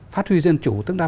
phát huy dân chủ tức là